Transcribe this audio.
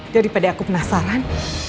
daripada aku penasaran